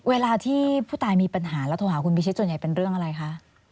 เวลาที่ผู้ตายมีปัญหาแล้วโทรหาคุณพิชิตส่วนใหญ่เป็นเรื่องอะไรคะ